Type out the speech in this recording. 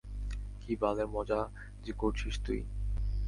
কি বালের মজা যে করছিস তুই।